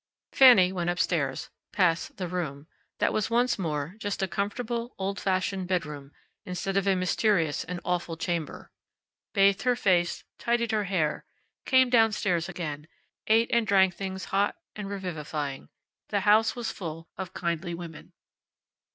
Fanny went up stairs, past The Room that was once more just a comfortable, old fashioned bedroom, instead of a mysterious and awful chamber; bathed her face, tidied her hair, came down stairs again, ate and drank things hot and revivifying. The house was full of kindly women.